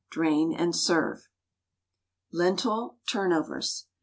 Drain and serve. LENTIL TURNOVERS.